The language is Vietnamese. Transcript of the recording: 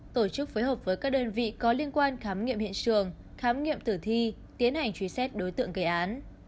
tổ chức phối hợp với các đơn vị có liên quan khám nghiệm hiện trường khám nghiệm tử thi tiến hành truy xét đối tượng gây án